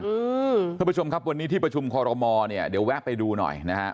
ท่านผู้ชมครับวันนี้ที่ประชุมคอรมอเนี่ยเดี๋ยวแวะไปดูหน่อยนะฮะ